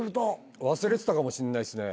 忘れてたかもしんないですね。